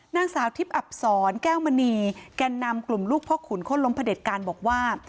นางสาวทิพย์อับศรแก้วมณีแก่นำกลุ่มลูกพ่อขุนโค้นล้มพระเด็จการบอกว่า